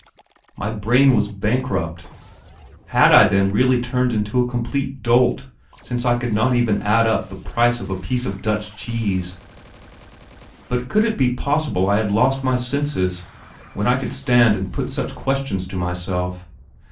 My brain was bankrupt! Had I then really turned into a complete dolt since I could not even add up the price of a piece of Dutch cheese? But could it be possible I had lost my senses when I could stand and put such questions to myself?